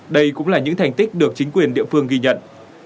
đây cũng là những thành tích được chính quyền địa phương ghi nhận